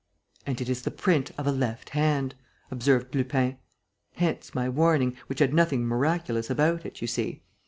"And it is the print of a left hand," observed Lupin. "Hence my warning, which had nothing miraculous about it, you see.